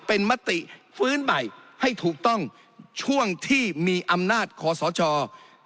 เป็นมติฟื้นใหม่ให้ถูกต้องช่วงที่มีอำนาจคอสช